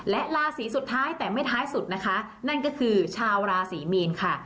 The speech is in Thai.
และราศีสุดท้ายแต่ไม่ท้ายสุดนะคะนั่นก็คือชาวราศรีมีนค่ะ